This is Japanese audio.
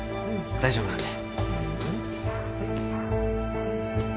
大丈夫なんで。